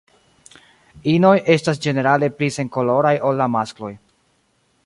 Inoj estas ĝenerale pli senkoloraj ol la maskloj.